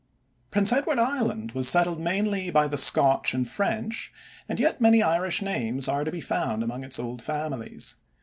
Prince Edward Island was settled mainly by the Scotch and French, and yet many Irish names are to be found among its old families.